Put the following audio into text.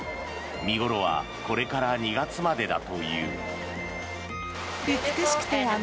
見頃はこれから２月までだという。